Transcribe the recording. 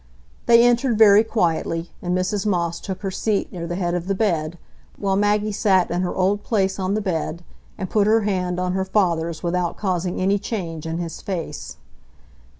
They entered very quietly, and Mrs Moss took her seat near the head of the bed, while Maggie sat in her old place on the bed, and put her hand on her father's without causing any change in his face.